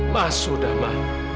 mas sudah mak